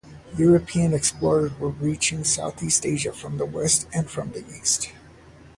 European explorers were reaching Southeast Asia from the west and from the east.